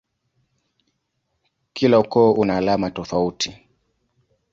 Kila ukoo una alama tofauti.